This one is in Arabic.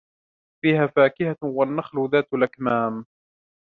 فيها فاكهة والنخل ذات الأكمام